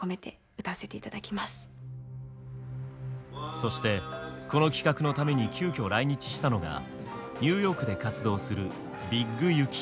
そしてこの企画のために急きょ来日したのがニューヨークで活動するＢＩＧＹＵＫＩ。